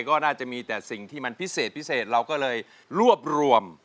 ก็น่าจะมีแต่สิ่งที่มันพิเศษพิเศษเราก็เลยรวบรวม